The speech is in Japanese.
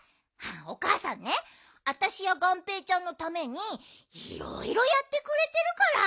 おかあさんねあたしやがんぺーちゃんのためにいろいろやってくれてるから。